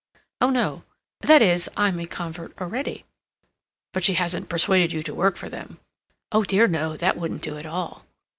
"Oh no. That is, I'm a convert already." "But she hasn't persuaded you to work for them?" "Oh dear no—that wouldn't do at all."